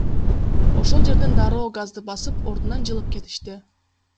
Ошол жерден дароо газды басып, ордунан жылып кетишти.